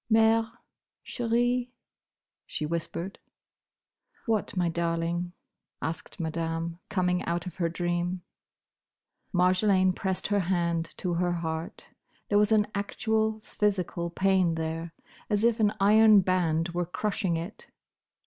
"Mère, chérie," she whispered. "What, my darling?" asked Madame, coming out of her dream. Marjolaine pressed her hand to her heart. There was an actual physical pain there, as if an iron band were crushing it.